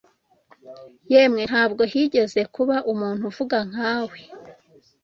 Yemwe, ntabwo higeze kuba umuntu uvuga nka we